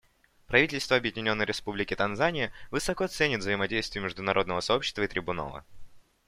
Правительство Объединенной Республики Танзания высоко ценит взаимодействие международного сообщества и Трибунала.